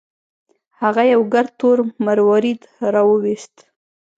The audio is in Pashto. هغه یو ګرد تور مروارید راوویست.